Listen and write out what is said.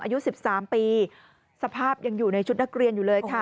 อายุ๑๓ปีสภาพยังอยู่ในชุดนักเรียนอยู่เลยค่ะ